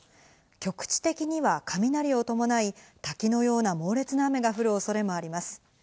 局地的には雷を伴い滝のような猛烈な雨が降る恐れもあります。